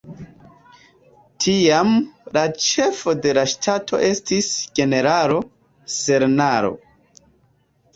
Tiam, la ĉefo de la ŝtato estis generalo Serrano.